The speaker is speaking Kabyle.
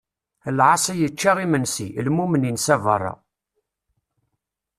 Lɛaṣi ičča imensi, lmumen insa beṛṛa.